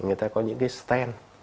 người ta có những cái stand